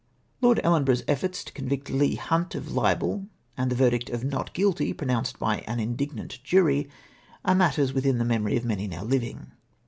Lord Ellenborough's efforts to convict Leigh Hunt of hbel, and the verdict of " Not Guilty " pronounced by an indignant jury, are matters within the memory of many now hving.